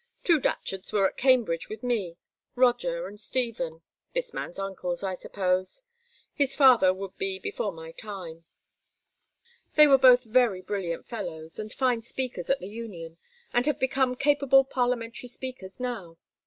Two Datcherds were at Cambridge with me Roger and Stephen; this man's uncles, I suppose; his father would be before my time. They were both very brilliant fellows, and fine speakers at the Union, and have become capable Parliamentary speakers now.